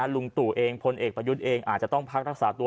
ลุงตู่เองพลเอกประยุทธ์เองอาจจะต้องพักรักษาตัว